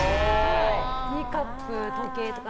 ティーカップ、時計とか。